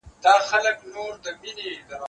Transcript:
زه اجازه لرم چي درسونه لوستل کړم،